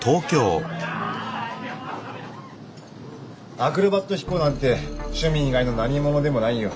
アクロバット飛行なんて趣味以外のなにものでもないよ。